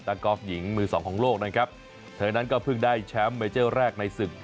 กอล์ฟหญิงมือสองของโลกนะครับเธอนั้นก็เพิ่งได้แชมป์เมเจอร์แรกในศึก